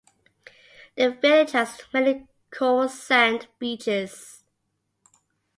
The village has many coral-sand beaches.